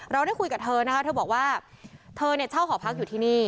เราได้คุยกับเธอนะคะเธอบอกว่าเธอเนี่ยเช่าหอพักอยู่ที่นี่